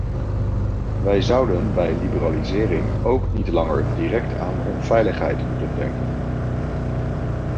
Wij zouden bij liberalisering ook niet langer direct aan onveiligheid moeten denken.